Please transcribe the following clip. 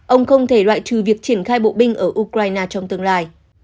ông không thể loại trừ việc triển khai bộ binh ở ukraine trong tương lai